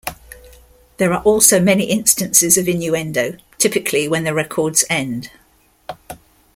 There are also many instances of innuendo, typically when the records end.